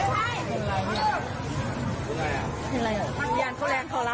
เห็นไหมคะลูกศรผู้ก่อเหตุคือเสื้อสีขาวอ่ะค่ะ